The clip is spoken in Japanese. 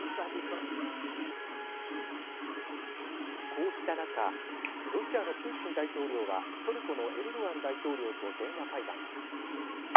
こうした中ロシアのプーチン大統領はトルコのエルドアン大統領と電話会談。